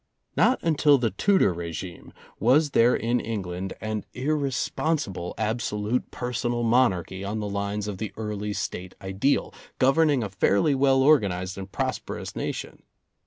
Not until the Tudor regime was there in Eng land an irresponsible absolute personal monarchy on the lines of the early State ideal, governing a fairly well organized and prosperous nation.